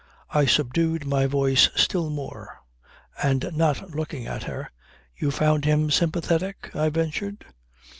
I subdued my voice still more and not looking at her: "You found him sympathetic?" I ventured.